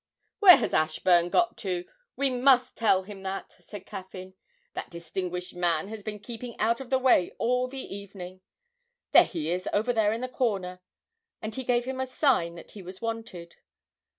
'Where has Ashburn got to? We must tell him that!' cried Caffyn. 'That distinguished man has been keeping out of the way all the evening. There he is over there in the corner!' and he gave him a sign that he was wanted.